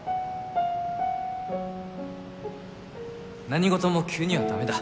何事も急にはダメだ。